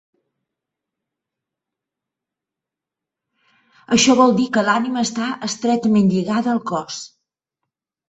Això vol dir que l'ànima està estretament lligada al cos.